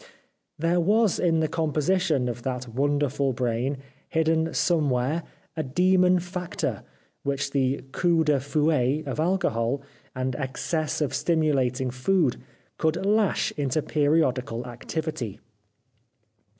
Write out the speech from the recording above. There was in the composition of that wonderful brain, hidden somewhere, a demon factor, which the coup de fouet of alcohol and excess of stimulating food could lash into periodical activity.